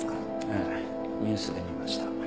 ええニュースで見ました。